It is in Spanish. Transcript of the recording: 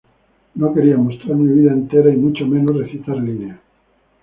No quería mostrar mi vida entera y mucho menos recitar líneas.